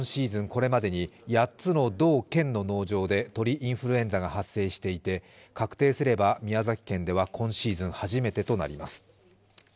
これまでに８つの道県の農場で鳥インフルエンザが発生していて確定すれば宮崎県では今シーズン初めてとなります。